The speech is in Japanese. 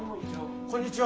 こんにちは。